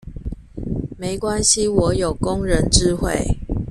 沒關係我有工人智慧